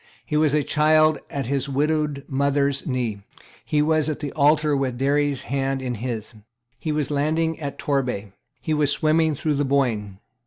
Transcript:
He was a child at his widowed mother's knee. He was at the altar with Diary's hand in his. He was landing at Torbay. He was swimming through the Boyne.